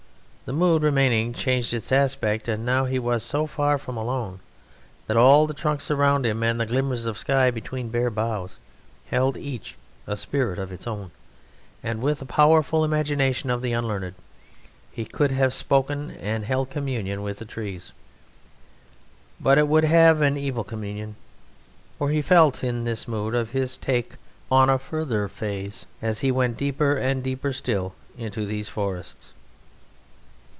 The mood, remaining, changed its aspect, and now he was so far from alone that all the trunks around him and the glimmers of sky between bare boughs held each a spirit of its own, and with the powerful imagination of the unlearned he could have spoken and held communion with the trees; but it would have an evil communion, for he felt this mood of his take on a further phase as he went deeper and deeper still into these forests.